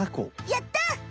やった！